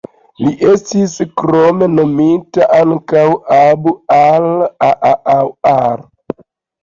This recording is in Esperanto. Li estis kromnomita ankaŭ "Abu-al-Aaŭar".